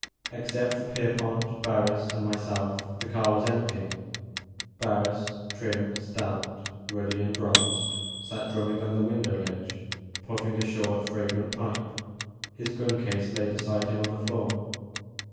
Except for Pierpont, Barris, and myself, the car was empty. Barris, trim, stout, ruddy, and bronzed, sat drumming on the window ledge, puffing a short fragrant pipe. His gun case lay beside him on the floor.